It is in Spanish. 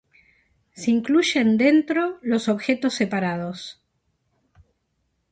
Se incluyen dentro los objetos separados.